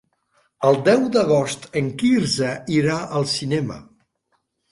El deu d'agost en Quirze irà al cinema.